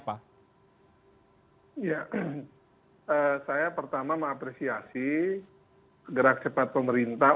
saya pertama mengapresiasi gerak cepat pemerintaan